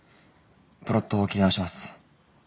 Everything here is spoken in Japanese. プロット切り直します。